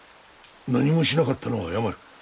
何もしなかったのは謝る。